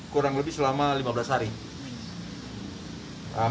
korban tidak dapat keluar kurang lebih selama lima belas hari